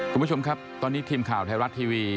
คุณผู้ชมครับตอนนี้ทีมข่าวไทยรัฐทีวี